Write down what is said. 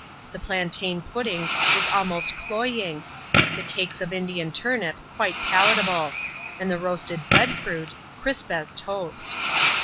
The plantain pudding was almost cloying ; the cakes of Indian turnip, quite palatable ; and the roasted bread fruit, cris^ as toast.